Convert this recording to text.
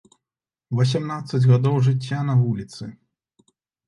Васямнаццаць гадоў жыцця на вуліцы.